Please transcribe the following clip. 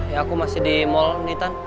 ya aku masih di mall nitan